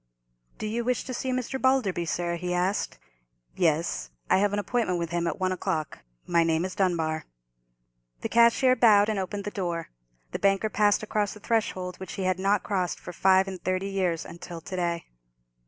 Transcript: "Do you wish to see Mr. Balderby, sir?" he asked. "Yes. I have an appointment with him at one o'clock. My name is Dunbar." The cashier bowed and opened the door. The banker passed across the threshold, which he had not crossed for five and thirty years until to day.